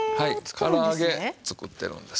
から揚げ作ってるんです。